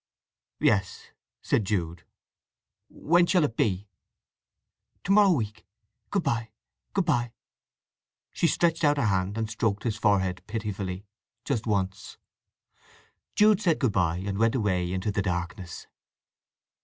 "Yes!" said Jude. "When shall it be?" "To morrow week. Good bye—good bye!" She stretched out her hand and stroked his forehead pitifully—just once. Jude said good bye, and went away into the darkness.